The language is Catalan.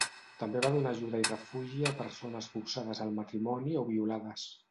També va donar ajuda i refugi a persones forçades al matrimoni o violades.